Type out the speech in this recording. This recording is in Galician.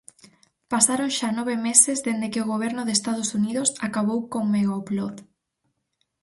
Pasaron xa nove meses dende que o goberno de Estados Unidos acabou con Megaupload.